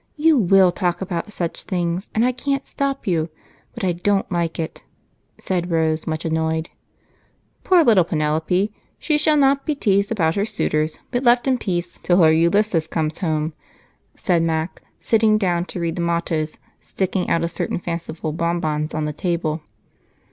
You will talk about such things and I can't stop you, but I don't like it," said Rose, much annoyed. "Poor little Penelope! She shall not be teased about her suitors but left in peace till her Ulysses comes home," said Mac, sitting down to read the mottoes sticking out of certain fanciful bonbons on the table.